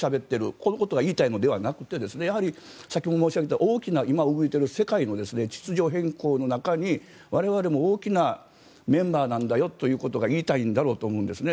このことが言いたいのではなく先ほども申し上げた大きな今、動いている世界の秩序変更の中に我々も大きなメンバーなんだよということが言いたいんだと思うんですね。